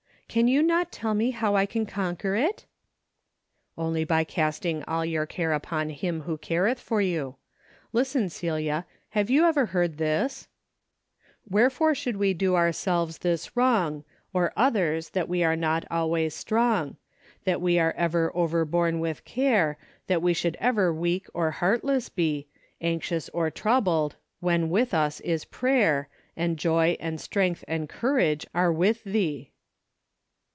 Can you not tell me how I can con quer it ?" Only by casting all your care upon him, who careth for you. Listen, Celia, have you ever heard this ?"' Wherefore should we do ourselves this wrong, Or others, that we are not always strong ; That we are ever overborne with care. That we should ever weak or heartless be. Anxious or troubled, when with us is prayer. And joy and strength and courage are with thee?